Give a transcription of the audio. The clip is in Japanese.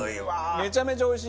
めちゃめちゃおいしい！